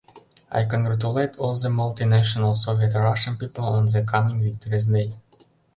Ай конгратулейт ол зэ малти нащионал совйэт, рашен пипл он зэ комиҥ викториз дэй.